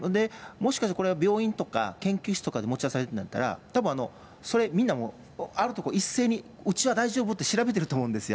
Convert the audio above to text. もしかするとこれは病院とか、研究室とかで持ち出されているんだったら、たぶんそれ、みんな、あるとこは、一斉にうちは大丈夫って調べてると思うんですよ。